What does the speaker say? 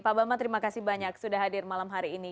pak bambang terima kasih banyak sudah hadir malam hari ini